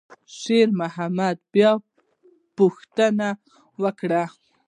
شېرمحمد بیا پوښتنه وکړه.